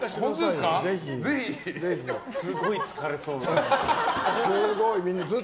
すごい疲れそう。